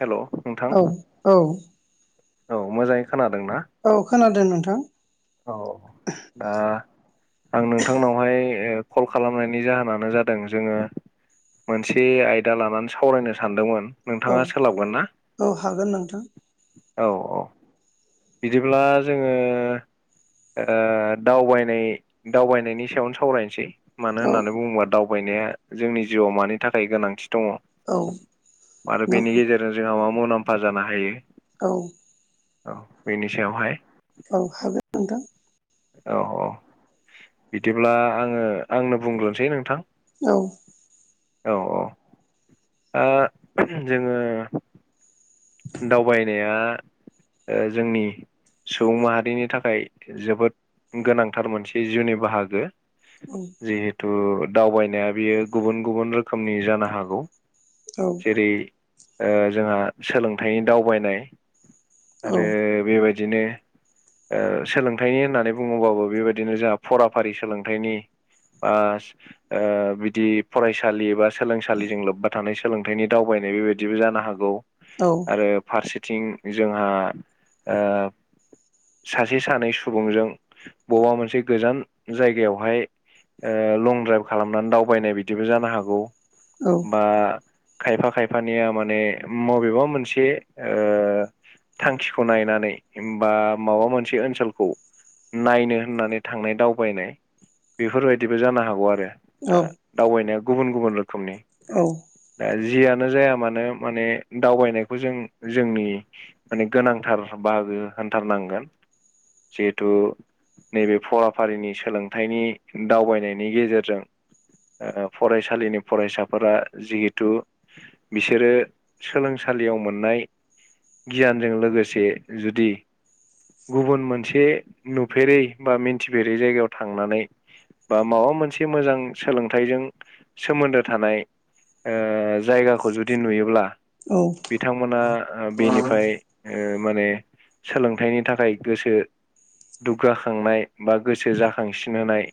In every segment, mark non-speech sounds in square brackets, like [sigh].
Hello औ औ औ मोजांङै खोनादों ना औ खोनादों नोंथां औ दा आं नोंथांनावहाय कल खालामनायनि जाहोनानो जादों जोंङो मोनसे आयदा लानानै सावरायनो सानदोंमोन औ नोंथांङा सोलाबगोन ना औ हागोन नोंथां औ औ बिदिब्ला जोंङो दावबायनाय दावबायनायनि सायावनो सावरायनोसै मानो औ होननानै बुंङोबा दावबायनाया जोंनि जिउआव मानि थाखाय गोनांथि दंङो औ आरो बेनि गेजेरजों जोंहा मा मुलाम्फा जानो हायो। औ औ बेनि सायावहाय औ हागोन नोंथां औ औ बिदिब्ला आंङो आंनो बुंग्रोनसै नोंथां औ औ औ दा जोंङो दावबायनाया जोंनि सुबुं माहारिनि थाखाय जोबोद गोनांथार मोनसे जिउनि बाहागो औ जिहेतु दावबायनाया बियो गुबुन गुबुन रोखोमनि जानो हागौ। औ जै जोंहा सोलोंथनि दावबायनाय आरो बेबाय बिदिनो सोलोंथाइनि होननानै बुङोबाबो बेबायदिनो जोंहा फराफारि सोलोंथाइनि ओ बा बिदि फरायसालि बा सोलोंसालिजों लोब्बा थानाय सोलोंथाइनि दावबायनाय बेबायदिबो जानो हागौ औ आरो फारसेथिं जोंहा सासे सानै सुबुंजों बबेबा मोनसे गोजान जायगायावहाय लं द्राइभ खालामनानै दावबायनाय बिदिबो जानो हागौ। बा खायफा खायफानिया माने मबेबा मोनसे मोनसे थांखिखौ नायनानै बा माबा मोनसे ओनसोलखौ नायनो होननानै थांनाय दावबायनाय बेफोरबायदिबो जानो हागौ आरो दा दावबायनाया गुबुन गुबुन रोखोमनि औ दा जियानो जाया मानो माने दावबायनायखौ खौ जों जोंनि माने गोनांथार बाहागो होनथारनांगोन जिहेथु नैबे फराफारिनि सोलोंथाइनि दावबायनायनि गेजेरजों ओ फरायसालिनि फरायसाफोरा जिहेथु बिसोरो सोलों सालियाव मोननाय गियानजों लोगोसे जुदि गुबुन मोनसे नुफेरै बा मिन्थिफेरै जायगायाव थांनानै बा माबा मोनसे मोजां सोलोंथाइजों सोमोन्दो थानाय ओ जायगाखौ जुदि नुयोब्ला औ बिथांमोना औ बेनिफ्राय ओ माने सोलोंथाइनि थाखाय गोसो दुगाखांनाय बा गोसो जाखांसिन होनाय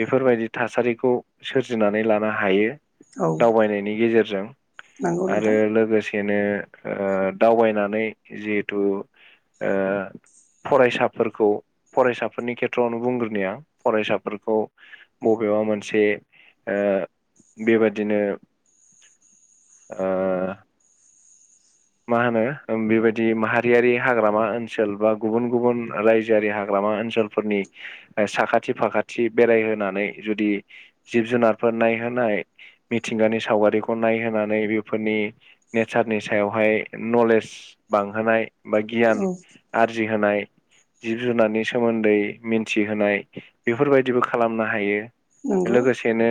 बेफोरबायदि थासारिखौ सोरजिनानै लानो हायो औ दावबायनायनि गेजेरजों नंगौ आरो नोंथां लोगो सेनो ओ दावबायनानै ओ जिहेथु ओ फरायसाफोरखौ फरायसाफोरनि खेथ्रआवनो बुंग्रोनि आं फरायसाफोरखौ मबेबा मोनसे ओ बेबादिनो ओ [unintelligible] मा होनो बेबायदि माहारियारि हाग्रामा ओनसोल बा गुबुन गुबुन रायजोआरि हाग्रामा ओनसोल फोरनि साखाथि फाखाथि बेरायहोनानै जुदि जिब जुनारफोर नायहोनाय मिथिंगानि सावगारिखौ नायहोनानै बेफोरनि नेचारनि सायाव हाय नलेज बांहोनाय बा औ गियान आरजिहोनाय जिब जुनारनि सोमोन्दै मिन्थिहोनाय बेफोरबायदिबो खालामनो हायो नंगौ लोगोसेनो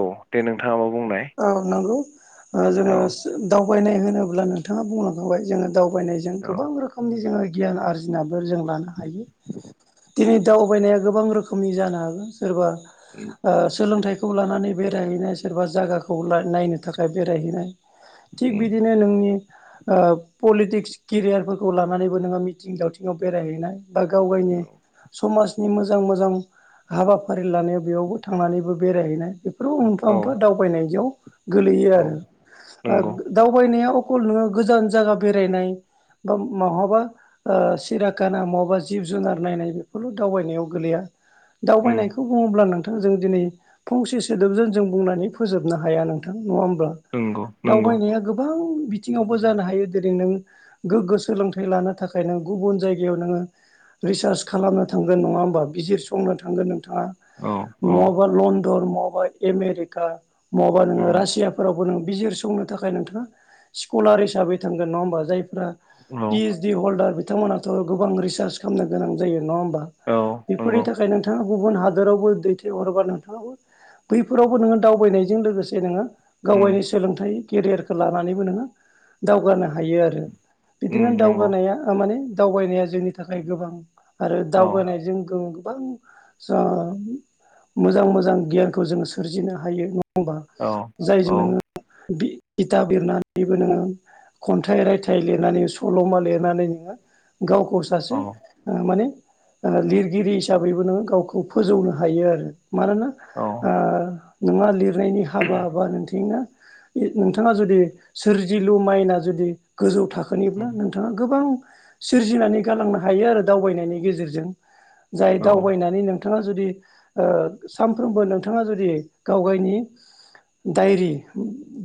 औ दे नोंथाङा मा‌ बुंनाय औ नंगौ जोङो औ दावबायनाय होनोब्ला नोंथाङा बुंलांखांबाय जोङो दावबायनाय औ गोबां रोखोमनि जोङो गियान आरजिबो जों लानो हायो दिनै दावबायनाया गोबां रोखोमनि जानो हागोन सोरबा उम [unintelligible] ओ सोलोंथाइखौ लानानै बेरायहैनाय सोरबा जागाखौ नायनो थाखाय बेरायहैनाय थिग बिदिनो नोंनि ओ पलिटिक्स केरियारफोरखौ लानानैबो नोङो मिथिं दावथिङाव बेरायहैनाय बा गाव गायनि समाज नि मोजां मोजां हाबाफारि लानायाव बेयावबो थांनानैबो बेरायहैनाय बेफोराव मोनफा औ मोनफा दावबायनायाव गोलैयो औ आरो ओ नंगौ दावबायनाया अखल नोङो गोजान जागा बेरायनाय बा महाबा ओ सिराखाना महाबा जिब जुनार नायनाय बेफोरल' दावबायनायाव गोलैया उम दावबायनायखौ बुङोब्ला नोंथांजों दिनै फंसे सोदोबजों जों बुंनानै फोजोब नो हाया नोंथां नङा होमब्ला नंगौ नंगौ दावबायनाया गोबां बिथिङावबो जानो हायो जेरै नों गोग्गो सोलोंथाइ लानो थाखाय नों गुबुन जायगायाव नोङो रिसार्च खालामनो थांगोन नङा होमबा बिजिरसंनो थांगोन नोंथाङा औ औ महाबा लन्डन महाबा एमेरिका महाबा नोङो उम रासियाफोरावबो नों बिजिरसंनो थाखाय नोंथाङा स्कलार हिसाबै थांगोन नङा होमबा जायफ्रा पि औ एसडि हल्डार बिथांमोनाथ' गोबां रिसार्च खालामनो गोनां जायो नङा होमबा औ बेफोरनि नंगौ थाखाय नोंथाङा गुबुन हादोरावबो दैथायहरोबा नोंथाङाबो बैफोरावबो नोङो दावबायनायजों लोगोसे नोङो उम गावयानि सोलोंथाइ केरियारखौ लानानैबो नोङो दावगानो हायो आरो बिदिनो उम नंगौ दावगानाया माने दावबायनाया जोंनि थाखाय गोबां आरो औ दावगानायजों गोबां मोजां मोजां गियानखौ जों सोरजिनो हायो नङा बा औ औ जायजों नोङो इथा बिरनानैबो नोङो खन्थाइ रायथाइ लिरनानै सल'मा लिरनानै नोङो गावखौ औ सासे माने लिरगिरि हिसाबैबो नोङो गावखौ फोजौनो हायो आरो मानोना औ ओ नोंहा लिरनायनि हाबा बा नोंथिंना नोंथाङा जुदि सोरजिलु माइना जुदि गोजौ थाखोनिब्ला उम नों थाङा गोबां सोरजिनानै गालांनो हायो आरो दावबायनायनि गेजेरजों जाय औ दावबायनानै नोंथाङा जुदि सानफ्रोमबो नोंथाङा जुदि गाव गावनि डायरि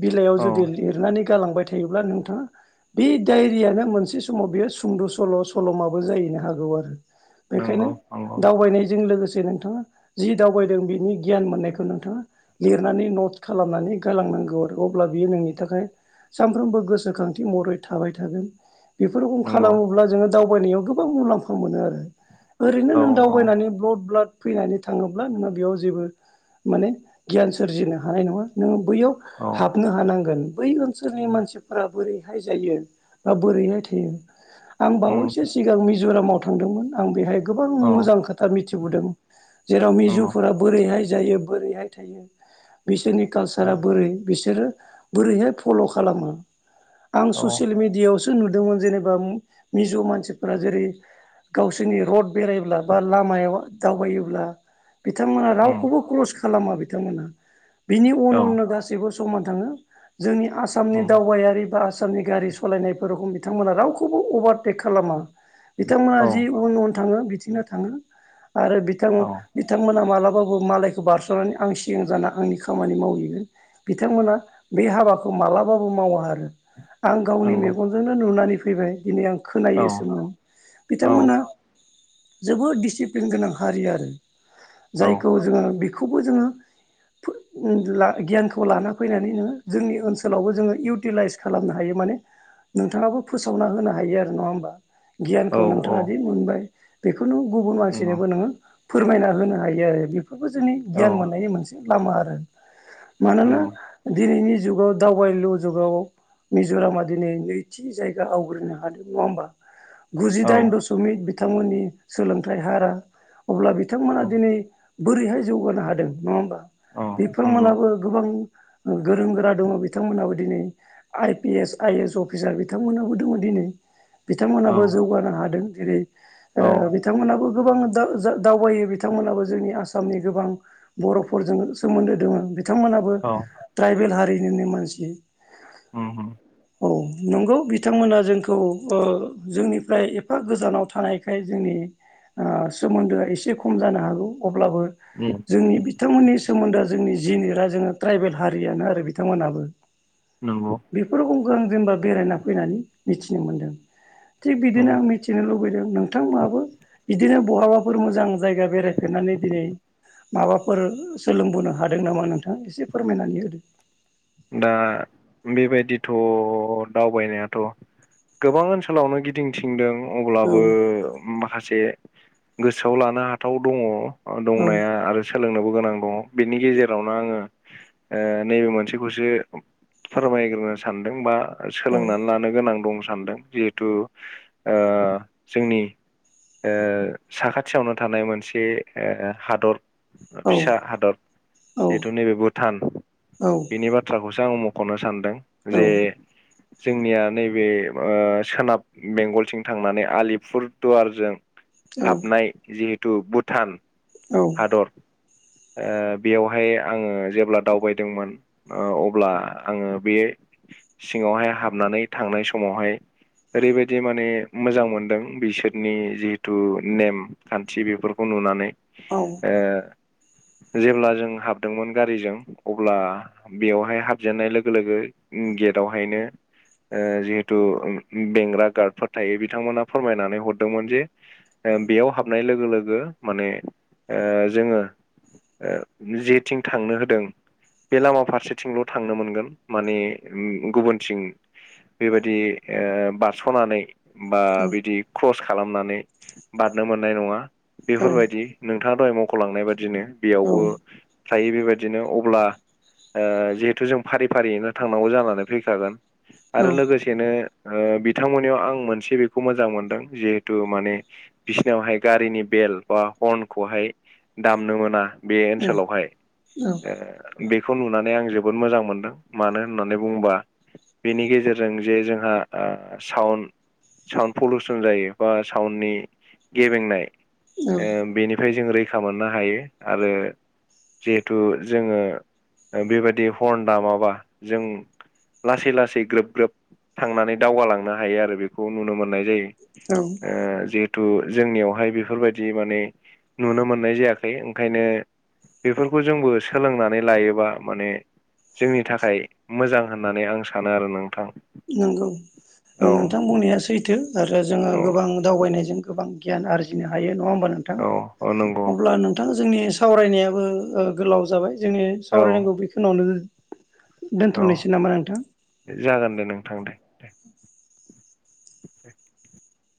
बिलाइयाव औ जुदि लिरनानै गालांबाय थायोब्ला नोंथाङा बे डायरियानो मोनसे समाव बेयो सुंद' सल' सल'माबो जाहैनो हागौ आरो बेखायनो नंगौ नंगौ दावबायनायजों लोगोसे नोंथाङा जि दावबायदों बिनि गियान मोननायखौ नोंथाङा लिरनानै नट खालामनानै गालांनांगौ आरो अब्ला बियो नोंनि थाखाय सानफ्रोमबो गोसोखांथि महरै थाबाय थागोन बेफोरखौ नंगौ खालामोब्ला जोङो दावबायनायाव गोबां मुलाम्फा मोनो आरो ओरैनो औ नों औ दावबायनानै ब्लड ब्लाड फैनानै थाङोब्ला नोङो बेयाव जेबो माने गियान सोरजिनो हानाय नङा नोङो बैयाव औ हाबनो हानांगोन बै ओनसोलनि मानसिफोरा बोरैहाय जायो बा बोरैहाय थायो आं उम बावैसो सिगां मिज'रामाव थांदोंमोन आं बेहाय गोबां औ मोजां खोथा मिथिबोदों जेराव नंगौ मिजुफोरा बोरैहाय जायो बोरैहाय थायो बिसोरनि कालसारा उम बोरै बिसोरो बोरैहाय फल' खालामो आं औ ससियेल मिडियाआवसो नुदोंमोन जेनेबा मिजौ मानसिफोरा जेरै गावसोरनि रड बेरायब्ला बा लामायाव दावबायोब्ला बिथांमोना उम रावखौबो क्रस खालामा बिथांमोना बिनि उन औ उननो गासैबो समान थाङो जोंनि आसामनि उम दावबायारि बा आसाम नि गारि सालायनायफोरखौ बिथांमोना रावखौबो अभारटेक खालामा। बिथांमोना औ जि उन उन थाङो बिथिंनो थाङो आरो औ बिथां बिथांमोना मालाबाबो मालायखौ बारस'नानै आं सिगां जाना आंनि खामानि मावहैगोन बिथांमोना बे हाबाखौ मालाबाबो मावा आरो आं गावनि नंगौ मेगनजोंनो नुनानै फैबाय दिनै आं औ खोनायोसोमोन औ औ बिथांमोना जोबोद डिसिप्लिन गोनां हारि आरो औ जायखौ जोङो बेखौबो जोङो गियानखौ लाना फैनानै नोङो जोंनि ओनसोलावबो जोङो इउटिलाइस खालामनो हायो माने नोंथाङाबो फोसावना होनो हायो आरो नङा होमबा गियानखौ नोंथाङा दि मोनबाय बेखौनो गुबुन नंगौ मानसिनोबो नोङो फोरमायना होनो हायो आरो बेफोरबो जोंनि औ गियान मोननायनि मोनसे लामा आरो मानोना नंगौ दिनैनि जुगाव दावबायलु जुगाव मिज'रामा दिनै नैथि जायगा आवग्रिनो हादों नङा होमबा गुजिदाइन दशमिक बिथांमोननि सोलोंथाइ हारा अब्ला औ बिथांमोना दिनै बोरैहाय जौगानो हादों नङा होमबा नंगौ बेफोरमोनहाबो गोबां गोरों गोरा दङ' बिथांमोनहाबो दिनै I P S I S officer बिथांमोनहाबो दङ' दिनै औ बिथांमोनाबो जौगानो हादों जेरै औ ओ बिथांमोनबो गोबां दावबायो बिथांमोनाबो जोंनि आसामनि गोबां बर' फोरजों सोमोन्दो दोङो बिथांमोनाबो औ ट्राइबेल हारिनिनो मानसि उम उम औ नंगौ बिथांमोना जोंखौ ओ जोंनिफ्राय एफा गोजानाव थानायखाय जोंनि ओ सोमोन्दोआ एसे खम जानो हागौ अब्लाबो उ जोंनि बिथांमोननि सोमोन्दोआ जोंनि जिनिरा जोंङो ट्राइबेल हारियानो आरो बिथांमोनाबो नंगौ बेफोरखौ आं जेनेबा बेरायना फैनानै मिथिनो मोनदों थिग बिदिनो उम आं मिथिनो लुबै- लुबैदों नोंथांमोनाबो बिदिनो बहाबाफोर मोजां जायगा बेरायफेरनानै दिनै माबाफोर सोलोंबोनो हादों नामा आं नोंथां एसे फोरमायनानै होदो। दा बेबायदिथ' दावबायनायाथ' गोबां ओनसोलावनो गिदिर [unintelligible] दों औ अब्लाबो माखासे गोसोआव लानो हाथाव दङ औ दंनाया आरो सोलोंनोबो गोनां दङ बेनि गेजेरावनो आङो ओ नैबे मोनसे खौसो फोरमायग्रो सानदों बा औ सोलोंनानै लानो नो गोनां दं सानदों जिहेथु ओ जोंनि ओ साखाथियावनो थानाय मोनसे ओ हादर औ फिसा हादर जिहेथु नैबे भुटान औ नि बाथ्राखौसो आं मख'नो सानदों जे जोंनिया नैबे ओ सोनाब बेंगलथिं थांनानै आलिपुर दुवारजों औ हाबनाय जिहेतु भुटान औ हादर ओ बेयावहाय आङो जेब्ला दावबायदोंमोन अब्ला आङो बे सिङावहाय हाबनानै थांनाय समावहाय ओरैबायदि माने मोजां मोनदों बिसोरनि जिहेथु नेम खान्थि बेफोरखौ नुनानै औ ओ जेब्ला जों हाबदोंमोन गारिजों अब्ला बेवहाय हाबजेननाय लोगो लोगो गेदावहायनो ओ जिहेतु बेंग्रा गार्डफोर थायो बिथांमोना फोरमायनानै हरदोंमोन जे ओ बेयाव हाबनाय लोगो लोगो माने ओ जोङो ओ जेथिं थांनो होदों बे लामा फारसेथिंल' थांनो मोनगोन माने गुबुनथिं बेबायदि ओ बारस'नानै बा बिदि क्रस खालामनानै बारनो मोननाय नङा औ बेफोरबायदि नोंथाङा दहाय मावख'लांनाय बादिनो बेयावबो थायो बेबायदिनो अब्ला ओ जिहेथु जों फारि फारियैनो थांनांगौ जानानै फैखागोन आरो औ लोगोसे बेनो ओ बिथांमोननियाव आं मोनसे बेखौ मोजां मोनदों जिहेथु माने बिसिनावहाय गारिनि बेलट बा हर्नखौहाय दामनो मोना बे ओनसोलावहाय बेखौ नुनानै आं जोबोद मोजां मोनदों मानो होननानै बुंङोबा बेनि गेजेरजों जे जोंहा ओ साउन साउन्ड पलचसन जायो बा साउन्डनि गेबेंनाय औ ओ बेनिफ्राय जों रैखा मोननो हायो आरो जिहेथु जोङो बेबायदि हर्न दामाबा जों लासै लासै ग्रोब ग्रोब थांनानै दावगालांनो हायो आरो बेखौ नुनो मोननाय जायो औ ओ जिहेतु जोंनियावहाय बेफोरबायदि माने नुनो मोननाय जायाखै ओंखायनो बेफोरखौ जोंबो सोलोंनानै लायोबा माने जोंनि थाखाय मोजां होननानै आं सानो आरो नोंथां नोंगौ औ नोंथां बुंनाया सैथो आरो जोङो औ गोबां दावबायनायजों गोबां गियान आरजिनो हायो नङा होमबा नोंथां औ औ नंगौ अब्ला नों नोंथाङा जोंनि सावरायनायाबो ओ गोलाव जाबाय जोंनि औ सावरायनायखौ बे खिनियावनो औ दोनथ'नोसै नामा नोंथां जागोन दे नोंथां दे दे [inaudible]